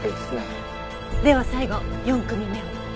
では最後４組目を。